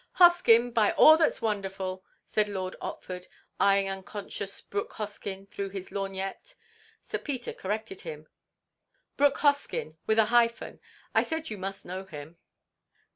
"Hoskyn, by all that's wonderful!" said Lord Otford, eyeing unconscious Brooke Hoskyn through his lorgnette. Sir Peter corrected him. "Brooke Hoskyn; with a hyphen. I said you must know him."